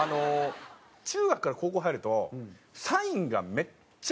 中学から高校入るとサインがめっちゃ変わるんですよ。